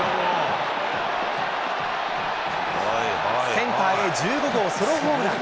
センターへ１５号ソロホームラン。